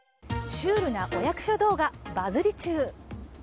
シュールなお役所動画、バズリ中。